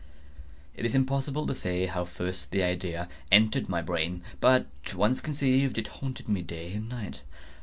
It is impossible to say how first the idea entered my brain; but once conceived, it haunted me day and night.